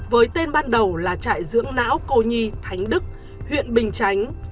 với tên ban đầu là trại dưỡng não cô nhi thánh đức huyện bình chánh